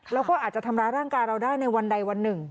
แล้วก็อาจจะทำร้ายร่างกายเราได้ในวันใดวันหนึ่ง